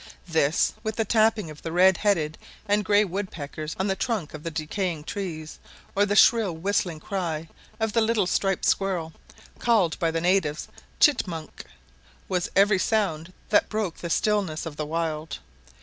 This, with the tapping of the red headed and grey woodpeckers on the trunk of the decaying trees, or the shrill whistling cry of the little striped squirrel, called by the natives "chitmunk," was every sound that broke the stillness of the wild.